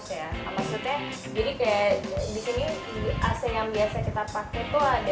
maksudnya jadi kayak di sini ac yang biasa kita pakai tuh ada